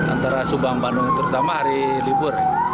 antara subang bandung terutama hari libur